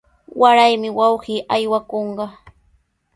Waraymi wawqii aywakunqa.